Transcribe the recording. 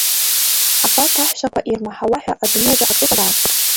Абарҭ аҳәсақәа ирмаҳауа ҳәа адунеиаҿы ак ыҟазаарым…